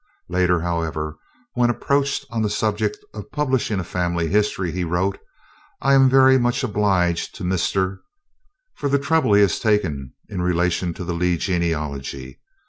Later, however, when approached on the subject of publishing a family history, he wrote: "I am very much obliged to Mr. for the trouble he has taken in relation to the Lee genealogy.